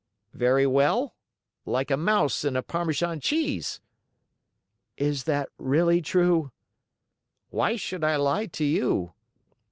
"Very well. Like a mouse in a Parmesan cheese." "Is that really true?" "Why should I lie to you?"